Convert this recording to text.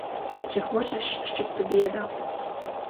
Чи хочеш, щоб тобі я дав